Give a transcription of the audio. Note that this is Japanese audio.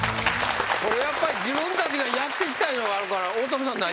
これやっぱり自分たちがやってきたいうのがあるから大友さん何？